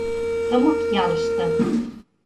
Тымык ялыште…